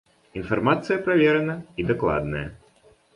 Інфармацыя праверана і дакладная.